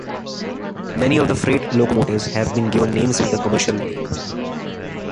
Many of the freight locomotives have been given names with a commercial link.